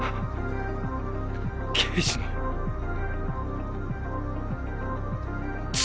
刑事の罪。